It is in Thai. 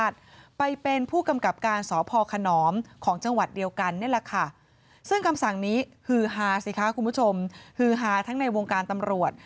ซึ่งคำสั่งนี้เหือหาในวงการตำรวจ